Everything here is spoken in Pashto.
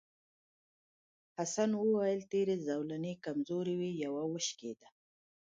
حسن وویل تېرې زولنې کمزورې وې یوه وشکېده.